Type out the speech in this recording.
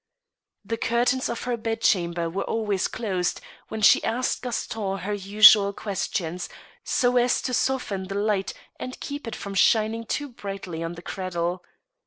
The curtains of her bedchamber were always closed when she asked Gaston her usual questions, so as to soften the light and keep it from shining too brightly on the cradle.